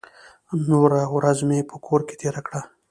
نوره ورځ مې په کور کې تېره کړه.